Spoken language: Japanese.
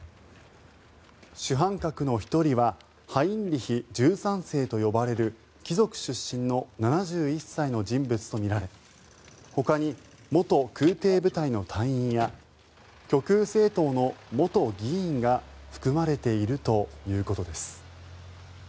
主犯格の１人はハインリヒ１３世と呼ばれる貴族出身の７１歳の人物とみられほかに元空挺部隊の隊員や極右政党の元議員が含まれているということです。